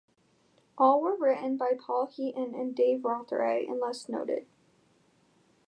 All were written by Paul Heaton and Dave Rotheray unless noted.